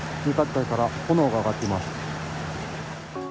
住宅街から炎が上がっています。